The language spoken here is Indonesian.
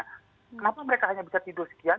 kenapa mereka hanya bisa tidur sekian